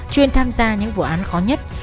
chuyên tham gia những vụ án khó nhất